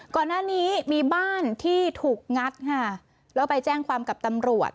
ก่อนหน้านี้มีบ้านที่ถูกงัดค่ะแล้วไปแจ้งความกับตำรวจ